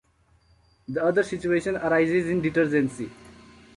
The other situation arises in detergency.